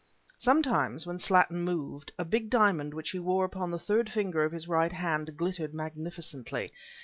Sometimes, when Slattin moved, a big diamond which he wore upon the third finger of his right hand glittered magnificently.